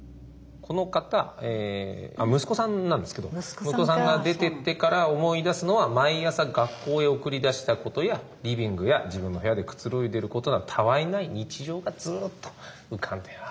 この方息子さんなんですけど息子さんが出てってから思い出すのは毎朝学校へ送り出したことやリビングや自分の部屋でくつろいでることなどたわいない日常がずっと浮かんでる。